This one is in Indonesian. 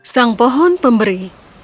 sang pohon pemberi